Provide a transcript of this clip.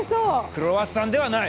クロワッサンではない！